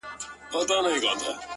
o سم ليونى سوم ـ